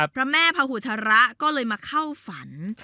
พระแม่พุชระก็เลยมาเข้าฝัน